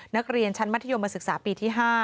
นักเรียนชั้นมัธยมศึกษาปีที่๕